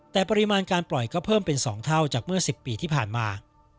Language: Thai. แต่ปริมาณการปล่อยก็เพิ่มเป็น๒เท่าจากเมื่อ๑๐ปีที่ผ่านมา